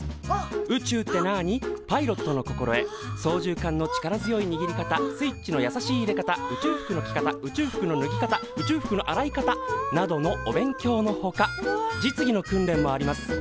「宇宙ってなぁに」「パイロットの心得」「操縦桿の力強い握り方」「スイッチのやさしい入れ方」「宇宙服の着方」「宇宙服の脱ぎ方」「宇宙服の洗い方」などのお勉強のほか実技の訓練もあります。